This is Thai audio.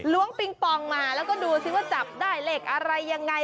ปิงปองมาแล้วก็ดูสิว่าจับได้เลขอะไรยังไง